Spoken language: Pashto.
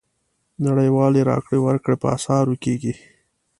نړیوالې راکړې ورکړې په اسعارو کېږي.